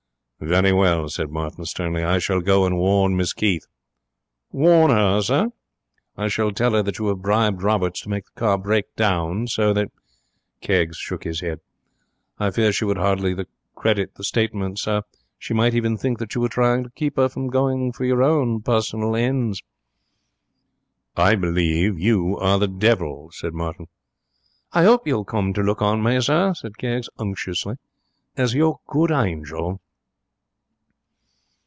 'Very well,' said Martin, sternly; 'I shall go and warn Miss Keith.' 'Warn her, sir!' 'I shall tell her that you have bribed Roberts to make the car break down so that ' Keggs shook his head. 'I fear she would hardly credit the statement, sir. She might even think that you was trying to keep her from going for your own pussonal ends.' 'I believe you are the devil,' said Martin. 'I 'ope you will come to look on me, sir,' said Keggs, unctuously, 'as your good hangel.'